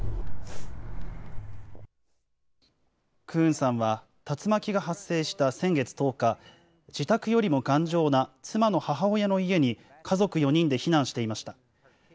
クーンさんは、竜巻が発生した先月１０日、自宅よりも頑丈な妻の母親の家に、家族４人で避難していました。